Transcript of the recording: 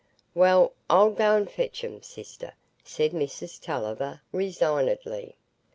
"Well, I'll go and fetch 'em, sister," said Mrs Tulliver, resignedly.